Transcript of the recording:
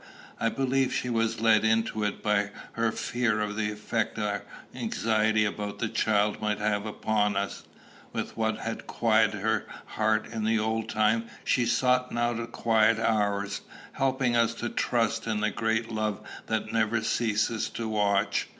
I believe she was led into it by her fear of the effect our anxiety about the child might have upon us: with what had quieted her heart in the old time she sought now to quiet ours, helping us to trust in the great love that never ceases to watch.